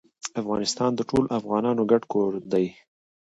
افغانستان د ټولو افغانانو ګډ کور دی.